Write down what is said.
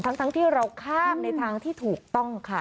ทั้งที่เราข้ามในทางที่ถูกต้องค่ะ